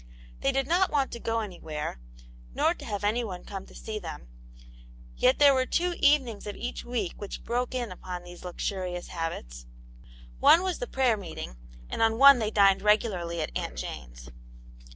They did not want to go anywhere, nor to have anyone come to see them ; yet there were two evenings of each week which broke in upon these luxurious habits ; one was the prayer meeting, and on one they dined regularly at Aunt Jane's.